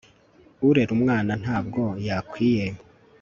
urera umwana nta bwo yakwiye